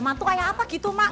mak tuh kayak apa gitu mak